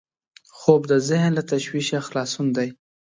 خوب د ذهن له تشویشه خلاصون دی